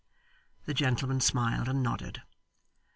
The gentleman smiled and nodded.